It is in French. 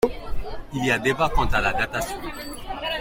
Il y a débat quant à la datation.